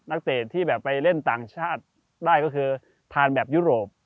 เตะที่แบบไปเล่นต่างชาติได้ก็คือทานแบบยุโรป